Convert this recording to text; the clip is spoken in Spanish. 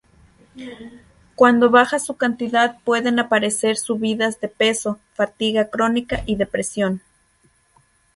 Cuando baja su cantidad pueden aparecer subidas de peso, fatiga crónica y depresión.